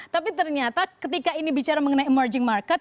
tapi ternyata ketika ini bicara mengenai emerging market